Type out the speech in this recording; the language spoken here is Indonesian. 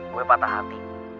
gue patah hati